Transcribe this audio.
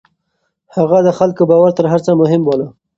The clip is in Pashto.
هغه د خلکو باور تر هر څه مهم باله.